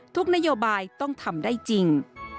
ทุกนโยบายต้องทำได้จริง